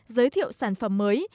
giới thiệu sản phẩm mới